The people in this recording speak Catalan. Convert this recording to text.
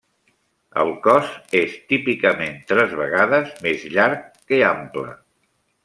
El cos és típicament tres vegades més llarg que ample.